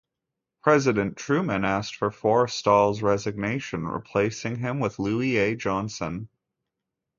President Truman asked for Forrestal's resignation, replacing him with Louis A. Johnson.